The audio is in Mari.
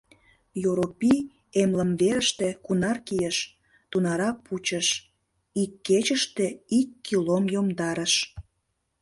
Йоропий эмлымверыште кунар кийыш — тунарак пучыш: ик кечыште ик килом йомдарыш.